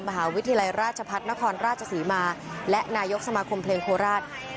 มหาวิทยาลัยราชภัทรนครราชสีมาและนายกสมาธิ์ควัฒนธรรมเพลงโคราช